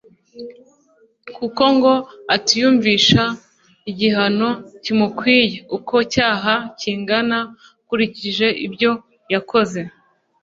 kuko ngo atiyumvisha igihano kimukwiye uko cyaha kingana ukurikije ibyo yakoze